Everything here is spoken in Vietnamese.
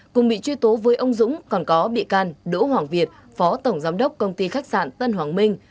cùng bị truy tố với ông dũng còn có bị can đỗ hoàng việt phó tổng giám đốc công ty khách sạn tân hoàng minh